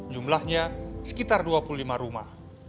jumlahnya sekitar dua puluh lima rumah